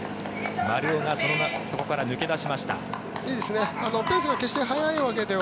丸尾がそこから抜け出しました。